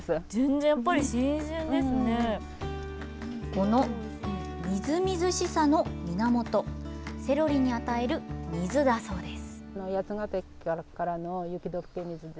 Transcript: このみずみずしさの源、セロリに与える水だそうです。